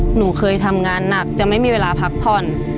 หนูเคยทำงานหนักจะไม่มีเวลาพักผ่อน